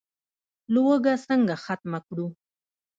لوږه څنګه ختمه کړو؟